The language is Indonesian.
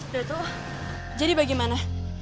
datuk jadi bagaimana